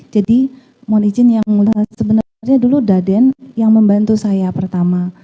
jadi mohon izin yang sebenarnya dulu darden yang membantu saya pertama